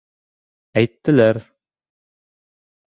Әйттеләр!